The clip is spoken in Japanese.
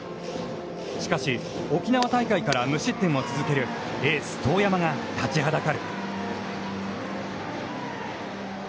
しかし、沖縄大会から無失点を続ける、エース當山が立ちはだかる。